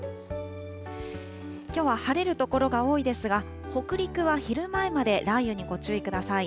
きょうは晴れる所が多いですが、北陸は昼前まで雷雨にご注意ください。